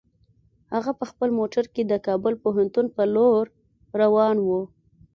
هغه په خپل موټر کې د کابل پوهنتون په لور روان و.